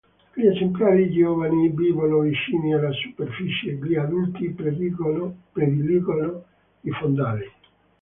Gli esemplari giovani vivono vicini alla superficie, gli adulti prediligono i fondali.